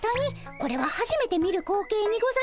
これははじめて見る光景にございます。